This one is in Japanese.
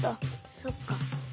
そっか。